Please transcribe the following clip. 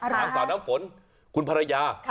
นางสาวน้ำฝนคุณภรรยา